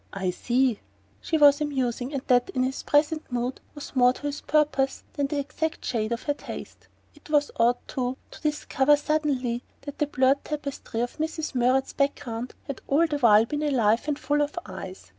"I see." She was amusing, and that, in his present mood, was more to his purpose than the exact shade of her taste. It was odd, too, to discover suddenly that the blurred tapestry of Mrs. Murrett's background had all the while been alive and full of eyes.